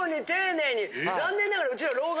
残念ながらうちら。